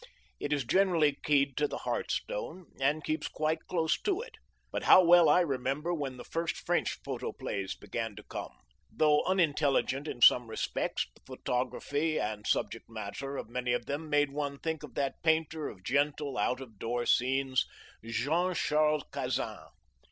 It is generally keyed to the hearthstone, and keeps quite close to it. But how well I remember when the first French photoplays began to come. Though unintelligent in some respects, the photography and subject matter of many of them made one think of that painter of gentle out of door scenes, Jean Charles Cazin.